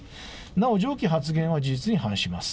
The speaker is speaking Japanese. なお上記発言は事実に反します。